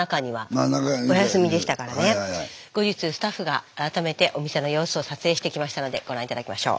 後日スタッフが改めてお店の様子を撮影してきましたのでご覧頂きましょう。